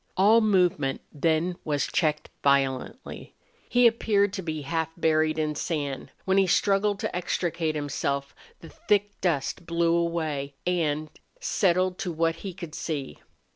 All movement then was checked violently. He appeared to be half buried in sand. While he struggled to extricate himself the thick dust blew away and, settled so that he could see.